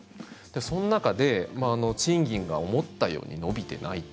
その中で賃金が思ったより伸びてない。